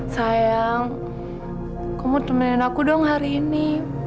sayang kamu temenin aku dong hari ini